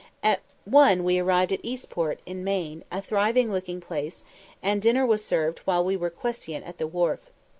At one we arrived at Eastport, in Maine, a thriving looking place, and dinner was served while we were quiescent at the wharf.